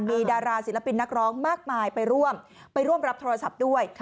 มีดาราศิลปินนักร้องมากมายไปร่วมไปร่วมรับโทรศัพท์ด้วย